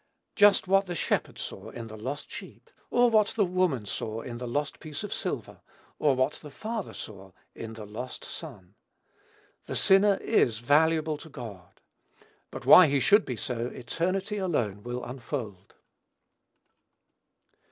Just what the shepherd saw in the lost sheep; or what the woman saw in the lost piece of silver; or what the father saw in the lost son. The sinner is valuable to God; but why he should be so eternity alone will unfold.